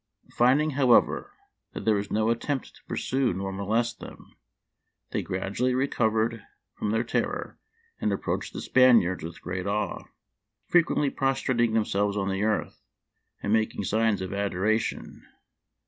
Finding, however, that there was no attempt to pursue nor molest them, they gradually recovered from their terror, and ap proached the Spaniards with great awe, fre quently prostrating themselves on the earth and making signs of adoration.